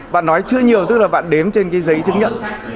bạn nói chưa nhiều tức là bạn đếm trên cái giấy chứng nhận